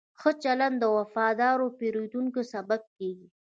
ښه چلند د وفادار پیرودونکو سبب کېږي.